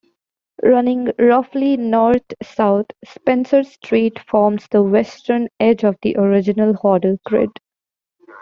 Running roughly north-south, Spencer Street forms the western edge of the original Hoddle Grid.